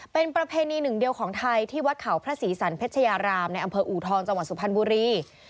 เป็นประเพณีหนึ่งเดียวของไทยที่วัดเขาพระศรีสันเพชยารามในอำเภออูทองจังหวัดสุพรรณบุรี